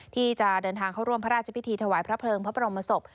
ที่จะเดินทางเข้าร่วมพระราชพิธีถวายพระเพลิงพระบรมศพ